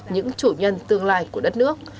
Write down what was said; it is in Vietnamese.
những chủ nhân tương lai của đất nước